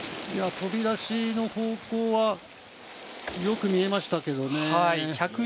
飛び出しの方向はよく見えましたけどね。